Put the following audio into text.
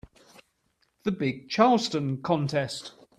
The big Charleston contest.